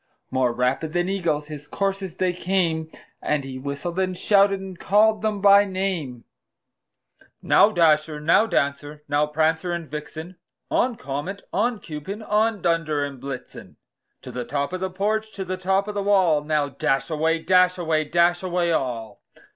More rapid than eagles his coursers they came, And he whistled, and shouted, and called them by name; "Now, Dasher! now, Dancer! now, Prancer and Vixen! On! Comet, on! Cupid, on! Dunder and Blitzen To the top of the porch, to the top of the wall! Now, dash away, dash away, dash away all!"